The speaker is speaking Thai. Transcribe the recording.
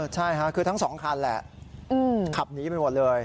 ใช่ค่ะคือทั้งสองคันแหละขับหนีไปหมดเลย